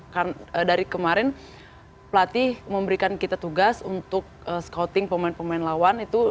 karena dari kemarin pelatih memberikan kita tugas untuk scouting pemain pemain lawan